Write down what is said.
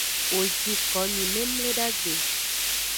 Wo ji komi memledagbe.